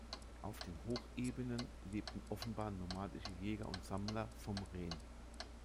Auf den Hochebenen lebten offenbar nomadische Jäger und Sammler vom Ren.